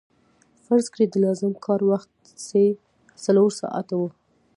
فرض کړئ د لازم کار وخت چې څلور ساعته وو